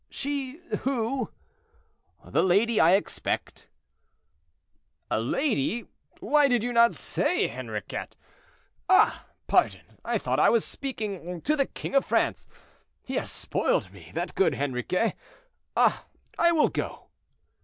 "She, who?" "The lady I expect." "A lady; why did you not say, Henriquet? Ah! pardon, I thought I was speaking—to the king of France. He has spoiled me, that good Henriquet. Ah! I will go."